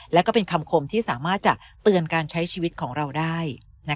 และก็เป็นคำคมที่สามารถจะเตือนการใช้ชีวิตของเราได้